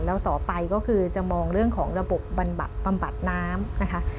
แล้วต่อไปก็คือจะมองเรื่องของระบบบำบัดน้ำนะคะ